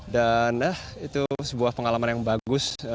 dan itu sebuah pengalaman yang bagus